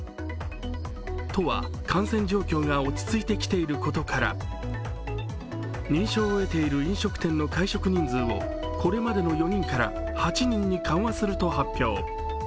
都は感染状況が落ち着いてきていることから認証を得ている飲食店の会食人数をこれまでの４人から８人に緩和すると発表。